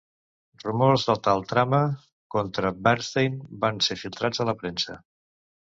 Rumors de tal trama contra Bernstein van ser filtrats a la premsa.